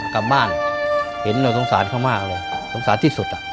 กลับบ้านเห็นหน่อยต้องสารเขามากเลยต้องสารที่สุด